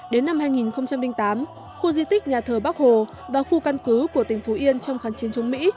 đến năm hai nghìn tám khu di tích nhà thờ bắc hồ và khu căn cứ của tỉnh phú yên trong kháng chiến chống mỹ